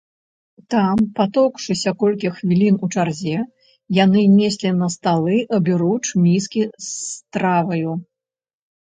Там, патоўкшыся колькі хвілін у чарзе, яны неслі на сталы аберуч міскі з страваю.